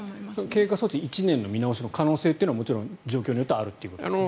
経過措置１年の見直しの可能性というのはもちろん状況によってはあるということですよね？